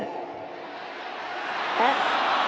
namanya pranowo ganjar